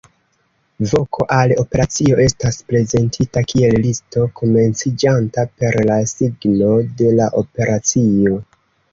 Voko al operacio estas prezentita kiel listo, komenciĝanta per la signo de la operacio.